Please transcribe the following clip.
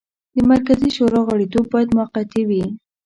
د مرکزي شورا غړیتوب باید موقتي وي.